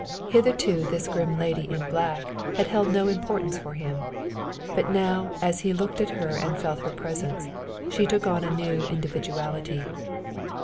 Hitherto, this grim lady in black had held no importance for him, but now, as he looked at her and felt her presence, she took on a new individuality.